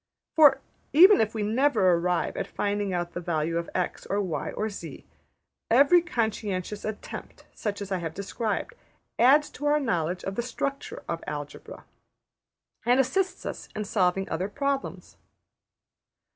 For, even if we never arrive at finding out the value of $x$, or $y$, or $z$, every conscientious attempt such as I have described adds to our knowledge of the structure of Algebra, and assists us in solving other problems.